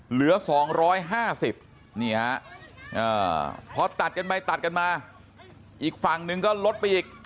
เหลือ๒๕๐นี่ฮะพอตัดกันไปตัดกันมาอีกฝั่งหนึ่งก็ลดไปอีก